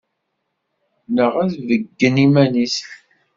Neɣ ad beyyen iman-is.